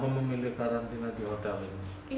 memilih karantina di hotel ini